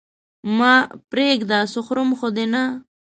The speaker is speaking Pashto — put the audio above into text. مه پرېږده! څه خورم خو دې نه؟